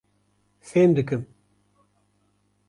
Fêm dikim.